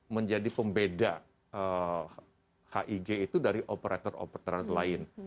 menjadi pembeda hig itu dari operator operator lain